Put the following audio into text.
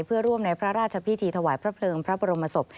เพื่อร่วมในพระราชพิธีถวายพระเพลิงพระบรมศพ